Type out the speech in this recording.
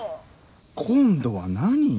今度は何？